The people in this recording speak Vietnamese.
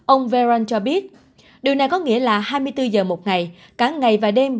ông veron cho biết điều này có nghĩa là hai mươi bốn giờ một ngày cả ngày và đêm